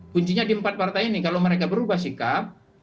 kuncinya di empat partai ini kalau mereka berubah sikap